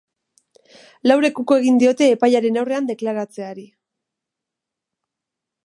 Laurek uko egin diote epailearen aurrean deklaratzeari.